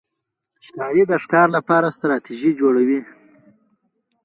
ښکاري د ښکار لپاره ستراتېژي جوړوي.